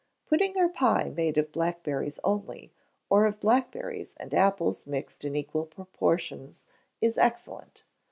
Pudding or pie made of blackberries only, or of blackberries and apples mixed in equal proportions is excellent.